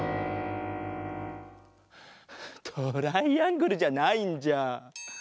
トライアングルじゃないんじゃ。